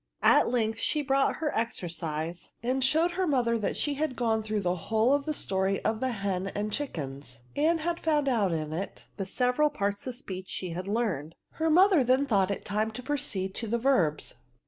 At length she brought her ex« erdse, and showed her mother that she had gone through the whole of the story of the Hen and Chickens, and had found out in it the several parts of speech she had learned. Her mother then thought it time to proceed to the Verbs.